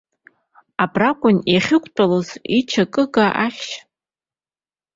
Абракәын иахьықәтәалоз ичакыга ахьшь.